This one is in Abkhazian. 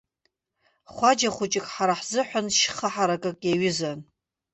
Хәаџьа хәыҷык ҳара ҳзыҳәан шьха ҳаракык иаҩызан.